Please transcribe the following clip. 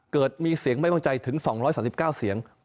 เกิดมีเสียงไม่บ้างใจถึงสองร้อยสามสิบเก้าเสียง